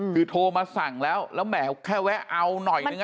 คือโทรมาสั่งแล้วแล้วแหมแค่แวะเอาหน่อยนึง